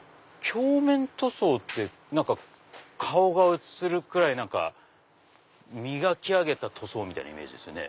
鏡面塗装って顔が映るくらい磨き上げた塗装みたいなイメージですよね。